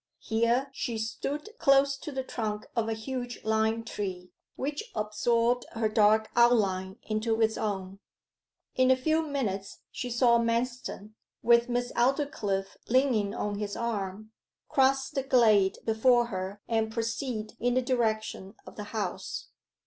Here she stood close to the trunk of a huge lime tree, which absorbed her dark outline into its own. In a few minutes she saw Manston, with Miss Aldclyffe leaning on his arm, cross the glade before her and proceed in the direction of the house.